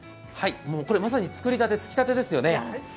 これまさに作りたて、つきたてですね。